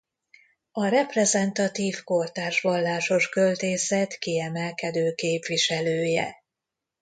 A reprezentatív kortárs vallásos költészet kiemelkedő képviselője.